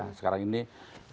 harapan untuk lebih baik